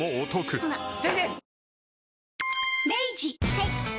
はい。